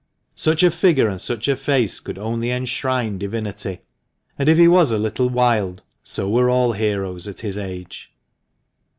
Such a figure and such a face could only enshrine divinity, And if he was a little wild, so were all heroes at his age.